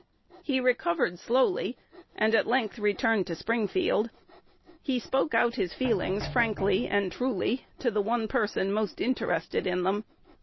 He recovered slowly, and at length returned to Springfield. He spoke out his feelings frankly and truly to the one person most interested in them.